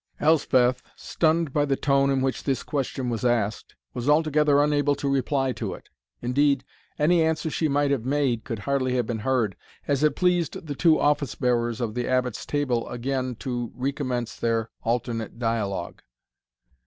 Elspeth, stunned by the tone in which this question was asked, was altogether unable to reply to it. Indeed, any answer she might have made could hardly have been heard, as it pleased the two office bearers of the Abbot's table again to recommence their alternate dialogue.